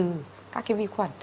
từ các cái vi khuẩn